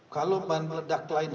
kalau bahan redak lain